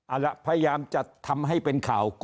อาจจะทำให้เป็นข่าว